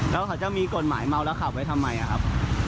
แล้วเขาจะมีกฎหมายเมาแล้วขับไว้ทำไมครับ